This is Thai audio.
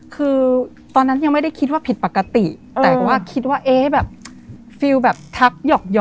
คือตอนนั้นยังไม่ได้คิดว่าผิดปกติแต่ว่าคิดว่าเอ๊ยแบบ